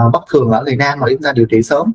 bất thường ở người nam mà chúng ta điều trị sớm